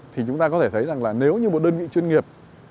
thì chúng ta có thể thấy rằng là nếu như một đơn vị chuyên nghiệp